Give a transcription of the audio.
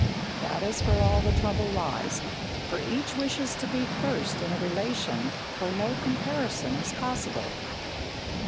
That is where all the trouble lies, for each wishes to be first in a relation where no comparison is possible.